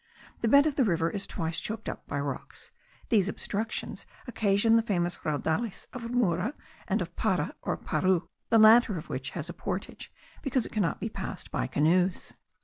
The bed of the river is twice choked up by rocks: these obstructions occasion the famous Raudales of Mura and of Para or Paru, the latter of which has a portage, because it cannot be passed by canoes.